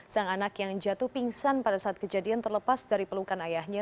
sang anak yang jatuh pingsan pada saat kejadian terlepas dari pelukan ayahnya